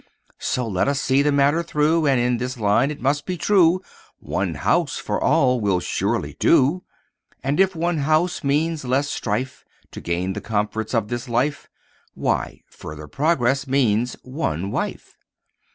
"So let us see the matter through, And, in this line, it must be true One house for all will surely do. "And if one house means less of strife, To gain the comforts of this life, Why, further progress means one wife."